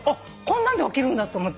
こんなんで起きるんだと思って。